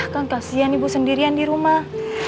kan kasian ibu sendirian di rumah